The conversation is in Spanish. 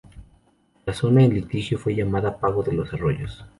La zona en litigio fue llamada Pago de los Arroyos.